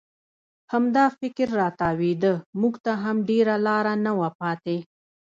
همدا فکر را تاوېده، موږ ته هم ډېره لاره نه وه پاتې.